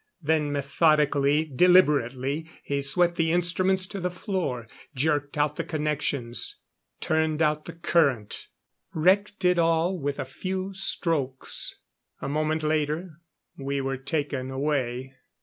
Then, methodically, deliberately, he swept the instruments to the floor, jerked out the connections, turned out the current wrecked it all with a few strokes. A moment later we were taken away.